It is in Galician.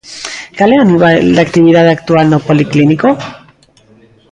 Cal é o nivel de actividade actual no policlínico?